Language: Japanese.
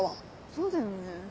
そうだよね。